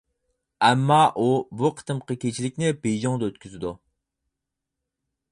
ئەمما ئۇ بۇ قېتىمقى كېچىلىكنى بېيجىڭدا ئۆتكۈزىدۇ.